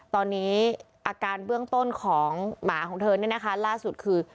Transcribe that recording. ตอนนี้อาการเบื้องต้นของหมาของเธอเนี่ยนะคะล่าสุดคือ